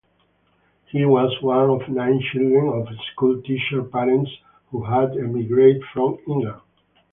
He was one of nine children of schoolteacher parents who had emigrated from England.